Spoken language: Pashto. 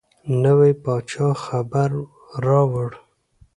نوي پاچا خبر راووړ.